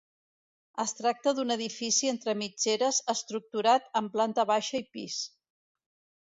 Es tracta d'un edifici entre mitgeres estructurat en planta baixa i pis.